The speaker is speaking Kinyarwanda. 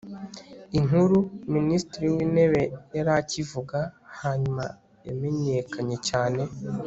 inkuru. minisitiri w'intebe yari akivuga. hanyuma yamenyekanye cyane